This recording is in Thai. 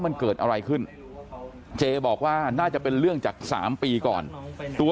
มันเกิดอะไรขึ้นเจบอกว่าน่าจะเป็นเรื่องจาก๓ปีก่อนตัว